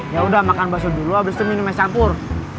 yaudah makan bersuhu dulu abis itu minum es campur